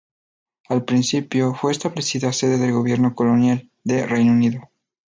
Al principio, fue establecida sede del Gobierno Colonial de Reino Unido.